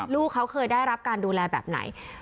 ลูกเขาเคยได้รับการดูแลแบบไหน